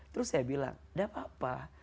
terus saya bilang tidak apa apa